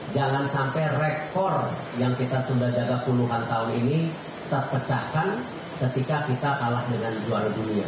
jangan sampai rekor yang kita sudah jaga puluhan tahun ini terpecahkan ketika kita kalah dengan juara dunia